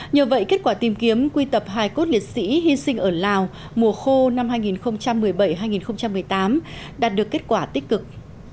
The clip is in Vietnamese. nhờ vậy kết quả tìm kiếm quy tập hài cốt liệt sĩ hy sinh ở lào mùa khô năm hai nghìn một mươi bảy hai nghìn một mươi tám đạt được kết quả tích cực